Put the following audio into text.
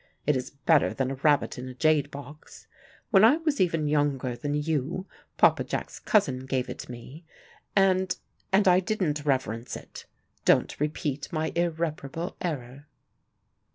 It is better than a rabbit in a jade box. When I was even younger than you, Papa Jack's cousin gave it me, and and I didn't reverence it. Don't repeat my irreparable error."